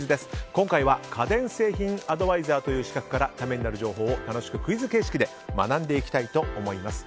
今回は家電製品アドバイザーという資格からためになる情報を楽しくクイズ形式で学んでいきたいと思います。